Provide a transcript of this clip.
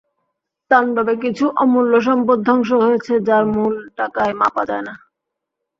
তাণ্ডবে কিছু অমূল্য সম্পদ ধ্বংস হয়েছে, যার মূল্য টাকায় মাপা যায় না।